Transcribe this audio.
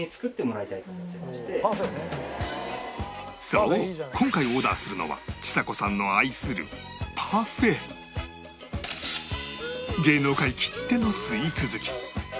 そう今回オーダーするのはちさ子さんの芸能界きってのスイーツ好き